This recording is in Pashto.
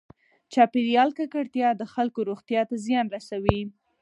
چاپېریال ککړتیا د خلکو روغتیا ته زیان رسوي.